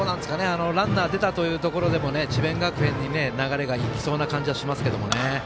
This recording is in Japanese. ランナー出たあとというところでも智弁学園に流れがいきそうな感じもします。